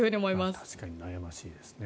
確かに悩ましいですね。